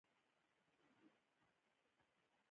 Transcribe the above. شمالي جنوبي کوريا وګورو.